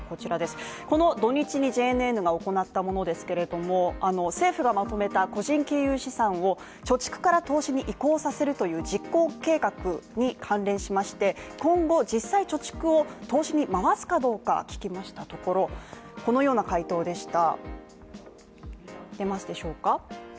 この土日にＪＮＮが行ったものですけれども政府がまとめた個人金融資産を貯蓄から投資に移行させるという実行計画に関連しまして、今後実際貯蓄を投資に回すかどうか、聞きましたところ、このような回答でした。